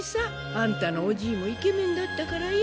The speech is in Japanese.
あんたのおじいもイケメンだったからよ